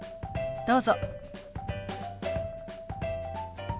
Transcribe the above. どうぞ。